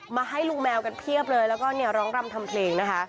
มาให้ลุงแมวกันเพียบเลยแล้วก็เนี่ยร้องรำทำเพลงนะคะ